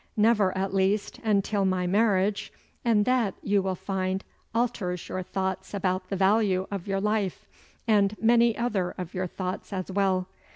Never, at least, until my marriage and that, you will find, alters your thoughts about the value of your life, and many other of your thoughts as well.